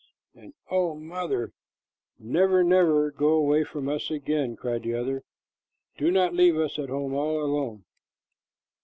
"And oh, mother, never, never go away from us again!" cried another. "Do not leave us at home all alone."